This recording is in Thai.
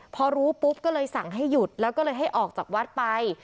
พอรู้ปุ๊บก็เลยสั่งให้หยุดแล้วก็เลยให้ออกจากวัดไป